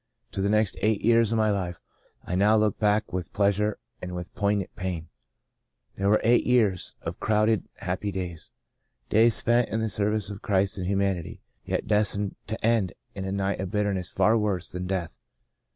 To the next eight years of my life I now look back with pleasure and with poignant pain. They were eight years of crowded, happy days — days spent in the service of Christ and humanity, yet destined to end in a night of bitterness far worse than death.